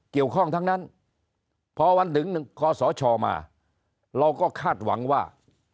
เกี่ยวข้องทั้งนั้นพอวันถึงคอสชมาเราก็คาดหวังว่า